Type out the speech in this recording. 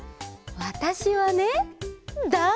わたしはね